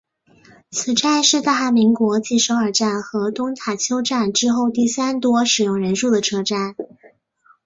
此站是大韩民国继首尔站和东大邱站之后第三多使用人数的车站。